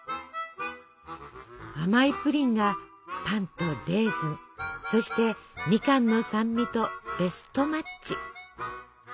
甘いプリンがパンとレーズンそしてみかんの酸味とベストマッチ。